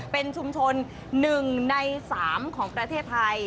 เป็นชุมชน๑ใน๓ของประเทศไทย